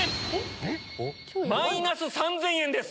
えっ⁉マイナス３０００円です。